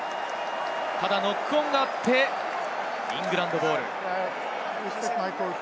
ただノックオンがあって、イングランドボール。